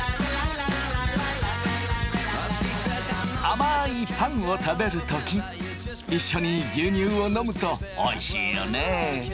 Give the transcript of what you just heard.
甘いパンを食べる時一緒に牛乳を飲むとおいしいよね。